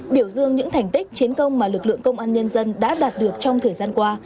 biểu dương những thành tích chiến công mà lực lượng công an nhân dân đã đạt được trong thời gian qua